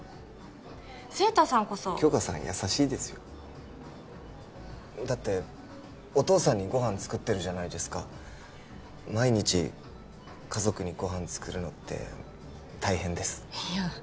晴太さんこそ杏花さん優しいですよだってお父さんにご飯作ってるじゃないですか毎日家族にご飯作るのって大変ですいや